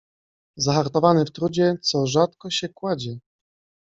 Zahartowany w trudzie, co rzadko się kładzie